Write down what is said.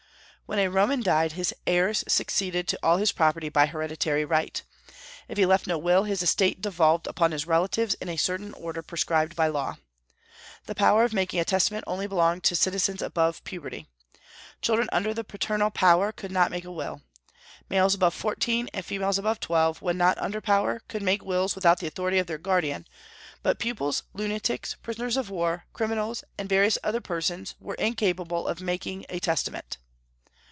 When a Roman died, his heirs succeeded to all his property by hereditary right. If he left no will, his estate devolved upon his relatives in a certain order prescribed by law. The power of making a testament only belonged to citizens above puberty. Children under the paternal power could not make a will. Males above fourteen and females above twelve, when not under power, could make wills without the authority of their guardian; but pupils, lunatics, prisoners of war, criminals, and various other persons were incapable of making a testament.